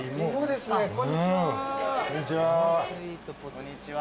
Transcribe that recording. こんにちは。